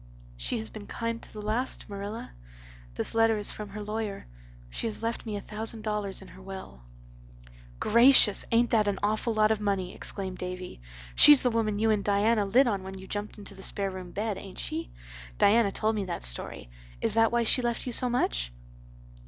"She has been kind to the last, Marilla. This letter is from her lawyer. She has left me a thousand dollars in her will." "Gracious, ain't that an awful lot of money," exclaimed Davy. "She's the woman you and Diana lit on when you jumped into the spare room bed, ain't she? Diana told me that story. Is that why she left you so much?"